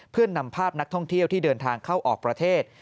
เพื่อนำภาพนักท่องเที่ยวที่เดินทางเข้าออกประเทศ